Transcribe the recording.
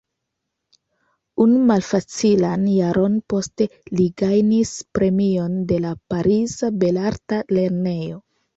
Unu malfacilan jaron poste, li gajnis premion de la pariza belarta lernejo.